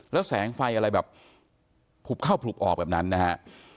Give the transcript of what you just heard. แล้วแสงไฟอะไรแบบผุบเข้าผุบออกแบบนั้นนะฮะ